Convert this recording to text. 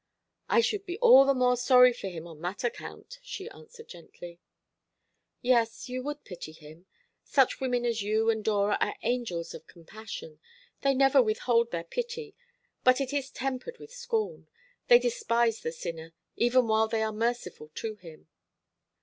"I should be all the more sorry for him on that account," she answered gently. "Yes, you would pity him. Such women as you and Dora are angels of compassion. They never withhold their pity; but it is tempered with scorn. They despise the sinner, even while they are merciful to him."